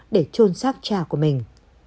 để trôn xác cha của mình